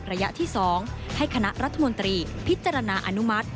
ระยะที่๒ให้คณะรัฐมนตรีพิจารณาอนุมัติ